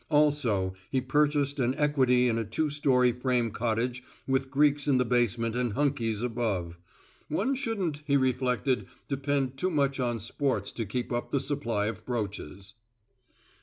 Also he purchased an equity in a two story frame cottage with Greeks in the basement and Hunkies above. One shouldn't, he reflected, depend too much on sports to keep up the supply of brooches.